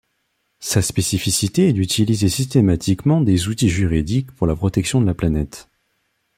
Sa spécificité est d'utiliser systématiquement des outils juridiques pour la protection de la planète.